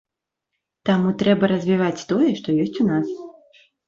Таму трэба развіваць тое, што ёсць у нас.